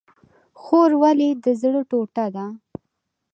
خور ولې د زړه ټوټه ده؟